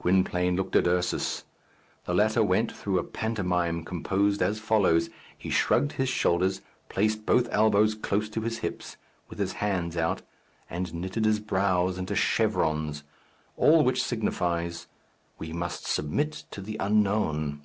Gwynplaine looked at Ursus. The latter went through a pantomime composed as follows: he shrugged his shoulders, placed both elbows close to his hips, with his hands out, and knitted his brows into chevrons all which signifies, "We must submit to the unknown."